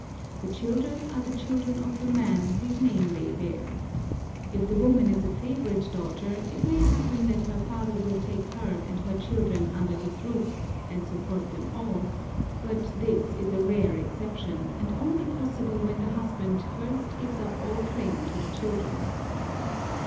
The children are the children of the man whose name they bear. If the woman is a favorite daughter, it may happen that her father will take her and her children under his roof, and support them all; but this is a rare exception, and only possible when the husband first gives up all claim to the children.